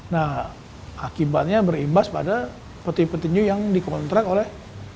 nah akibatnya berimbas pada peti peti nyu yang dikontrak oleh